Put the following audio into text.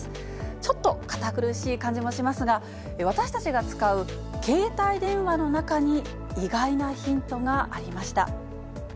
ちょっと堅苦しい感じもしますが、私たちが使う携帯電話の中に、意外なヒントがありました。